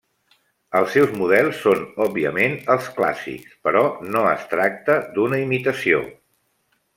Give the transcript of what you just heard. Els seus models són òbviament els clàssics, però no es tracta d'una imitació.